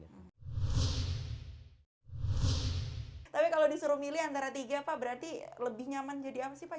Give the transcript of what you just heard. tapi kalau disuruh milih antara tiga pak berarti lebih nyaman jadi apa sih pak